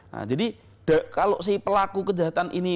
nah jadi kalau si pelaku kejahatan ini